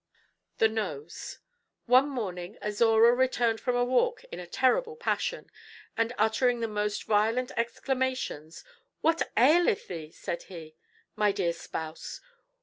THE NOSE One morning Azora returned from a walk in a terrible passion, and uttering the most violent exclamations. "What aileth thee," said he, "my dear spouse?